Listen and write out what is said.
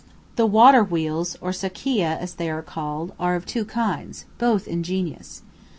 The water wheels, or "sakia," as they are called, are of two kinds, and both ingenious.